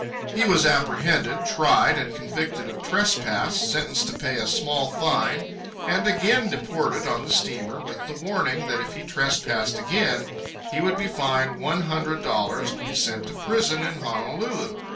He was apprehended, tried and convicted of trespass, sentenced to pay a small fine, and again deported on the steamer with the warning that if he trespassed again, he would be fined one hundred dollars and be sent to prison in Honolulu.